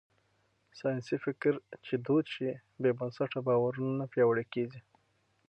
ساينسي فکر چې دود شي، بې بنسټه باورونه نه پياوړي کېږي.